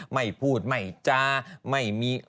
ไม่พูดไม่จาไม่มี